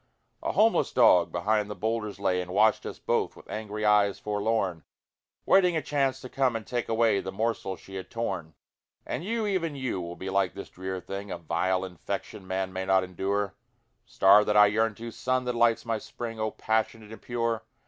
A homeless dog behind the boulders lay And watched us both with angry eyes forlorn, Waiting a chance to come and take away The morsel she had torn. And you, even you, will be like this drear thing, A vile infection man may not endure; Star that I yearn to! Sun that lights my spring! O passionate and pure!